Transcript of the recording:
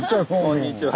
こんにちは。